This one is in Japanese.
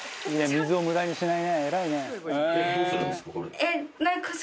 水を無駄にしないね偉いね」